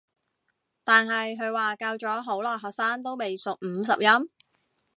但係佢話教咗好耐學生都未熟五十音